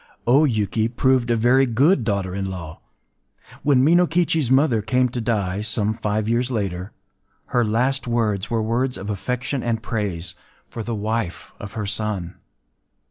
” O Yuki proved a very good daughter in law. When Minokichi’s mother came to die,—some five years later,—her last words were words of affection and praise for the wife of her son.